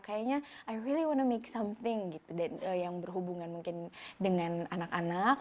kayaknya i really want to make something gitu yang berhubungan mungkin dengan anak anak